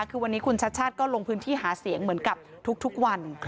คือวันนี้คุณชัดชาติก็ลงพื้นที่หาเสียงเหมือนกับทุกวัน